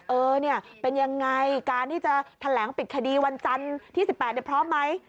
เออเนี่ยเป็นยังไงการที่จะแถลงปิดคดีวันจันทร์ที่๑๘พร้อมไหม